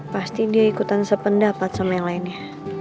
pasti dia ikutan sependapat sama yang lainnya